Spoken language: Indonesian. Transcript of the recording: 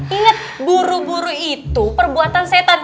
ingat buru buru itu perbuatan setan